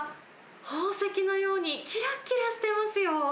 宝石のようにきらきらしてますよ。